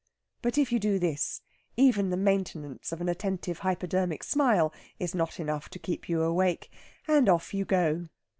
But if you do this, even the maintenance of an attentive hypodermic smile is not enough to keep you awake and off you go!